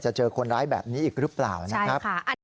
เจอคนร้ายแบบนี้อีกหรือเปล่านะครับ